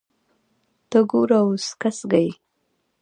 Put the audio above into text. ته ګوره اوس کسږي